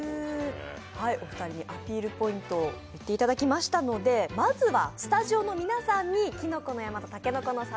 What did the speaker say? お二人にアピールポイントを言っていただきましたのでまずはスタジオの皆さんにきのこの山とたけのこの里